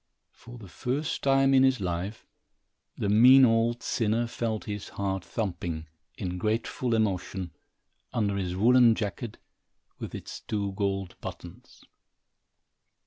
For the first time in his life, the mean old sinner felt his heart thumping, in grateful emotion, under his woolen jacket, with its two gold buttons.